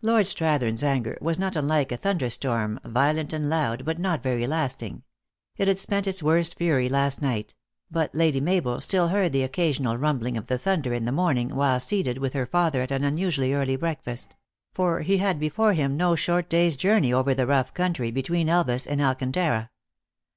Lord Strathern s anger was not unlike a thunder storm, violent and loud, but not very lasting. It had spent its worst fury last night ; but Lady Mabel still heard the occasional rumbling of the thunder in the morning, while seated, with her father, at an unusu ally early breakfast ; for he had before him no short day s journey over the rough country between Elvas and Alcantara.